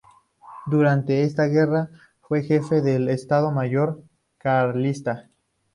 Durante esta guerra fue jefe del estado mayor carlista.